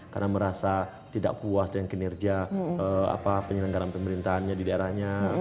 karena merasa tidak puas dengan kinerja penyelenggaraan pemerintahannya di daerahnya